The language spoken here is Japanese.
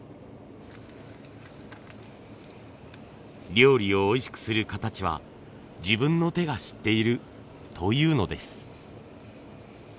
料理をおいしくする形は自分の手が知っているというのです。